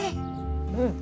うん。